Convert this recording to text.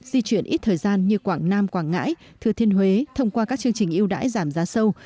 di chuyển ít thời gian như quảng nam quảng ngãi thừa thiên huế thông qua các chương trình yêu đãi giảm giá sâu